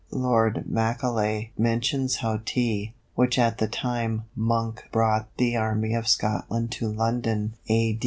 Lord Macaulay mentions how "Tea, which at the time Monk brought the Army of Scotland to London (A.